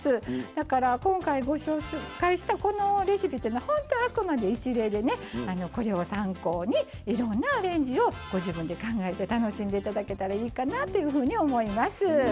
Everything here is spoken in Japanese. だから、今回、ご紹介したこのレシピっていうのは本当、あくまで一例でこれを参考にいろんなアレンジをご自分で考えて楽しんでいただけたらいいかなと思います。